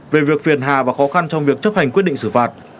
về việc phiền hà và khó khăn trong việc chấp hành quyết định xử phạt